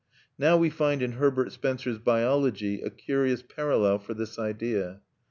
Now we find in Herbert Spencer's "Biology" a curious parallel for this idea.